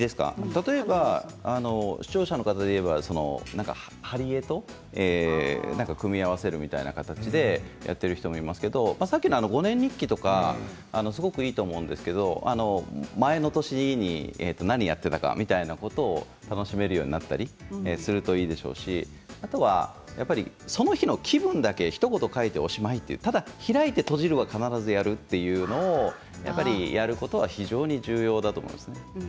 例えば視聴者の方でいえば貼り絵と組み合わせるみたいな形でやっている人もいますけれどもさっきの５年日記とかすごくいいと思うんですけれども前の年に何をやっていたかみたいなことを、楽しめるようになったりするといいでしょうしあとはやっぱりその日の気分だけひと言書いておしまいというただ開いて閉じるは必ずやるというのをやることは非常に重要だと思います。